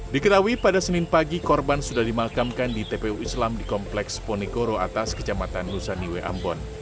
diketahui pada senin pagi korban sudah dimakamkan di tpu islam di kompleks ponegoro atas kecamatan nusaniwe ambon